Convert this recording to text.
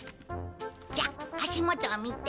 じゃ足元を見て。